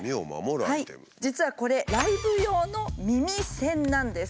実はこれライブ用の耳栓なんです。